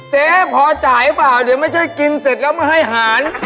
เจ๊พอจ่ายเปล่าเดี๋ยวไม่ใช่กินเสร็จแล้วมาให้อาหาร